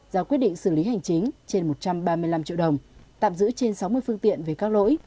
ra quyết định xử lý hành chính trên một trăm ba mươi năm triệu đồng tạm giữ trên sáu mươi phương tiện về các lỗi